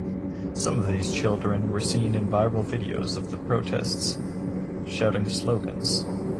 Some of these children were seen in viral videos of the protests shouting slogans.